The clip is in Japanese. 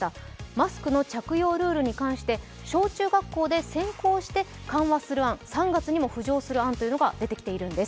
マスクの着用ルールに関して小中学校で先行して緩和する案３月にも浮上する案というのが出てきているんです。